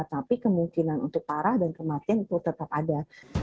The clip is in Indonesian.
tapi kemungkinan untuk parah dan kematian itu tetap ada